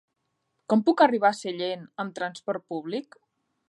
Com puc arribar a Sellent amb transport públic?